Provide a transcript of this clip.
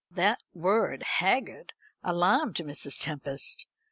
That word haggard alarmed Mrs. Tempest.